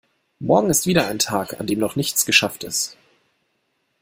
Morgen ist wieder ein Tag an dem noch nichts geschafft ist.